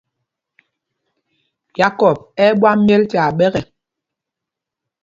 Yákɔp ɛ́ ɛ́ ɓwam myɛl tyaa ɓɛ́kɛ.